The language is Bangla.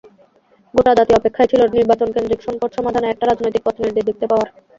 গোটা জাতি অপেক্ষায় ছিল নির্বাচনকেন্দ্রিক সংকট সমাধানে একটা রাজনৈতিক পথনির্দেশ দেখতে পাওয়ার।